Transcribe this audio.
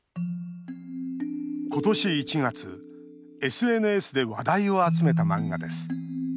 ことし１月ＳＮＳで話題を集めた漫画です。